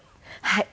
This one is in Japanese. はい。